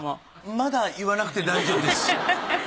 まだ言わなくて大丈夫です。